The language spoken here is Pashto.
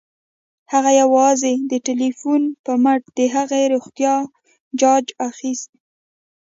هغه یوازې د ټيليفون په مټ د هغې روغتيا جاج اخيسته